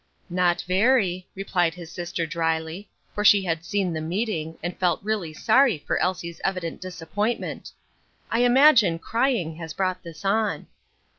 "Not very," replied his sister dryly, for she had seen the meeting, and felt really sorry for Elsie's evident disappointment; "I imagine crying has brought this on."